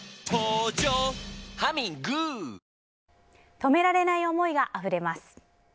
止められない思いがあふれます。